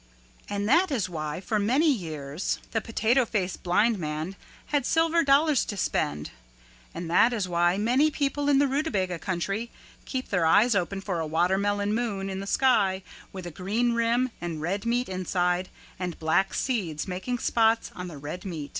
'" And that is why for many years the Potato Face Blind Man had silver dollars to spend and that is why many people in the Rootabaga Country keep their eyes open for a Watermelon Moon in the sky with a green rim and red meat inside and black seeds making spots on the red meat.